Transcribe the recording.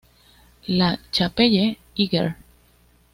La Chapelle-Iger